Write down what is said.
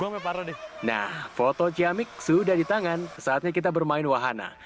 nah foto ciamik sudah di tangan saatnya kita bermain wahana